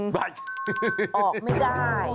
ใบออกไม่ได้